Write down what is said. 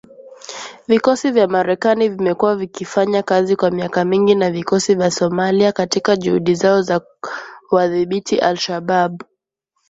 Vikosi vya Marekani vimekuwa vikifanya kazi kwa miaka mingi na vikosi vya Somalia katika juhudi zao za kuwadhibiti al-Shabaab